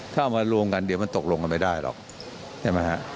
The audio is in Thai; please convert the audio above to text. ถ้าเอามารวมกันเดี๋ยวมันตกลงกันไม่ได้หรอกใช่ไหมฮะ